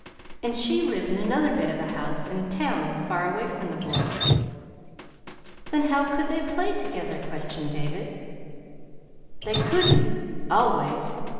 "And she lived in another bit of a house in a town far away from the boy." "Then how could they play together?" questioned David. "They couldn't, ALWAYS.